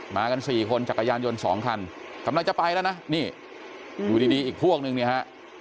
มากันสี่คนจักรยานยนต์สองคันกำลังจะไปแล้วนะนี่อยู่ดีดีอีกพวกนึงเนี่ยฮะ